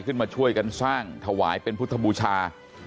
ขึ้นมาช่วยกันสร้างถวายเป็นพุทธบุชา